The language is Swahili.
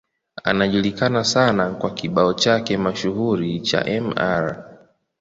Anajulikana sana kwa kibao chake mashuhuri cha Mr.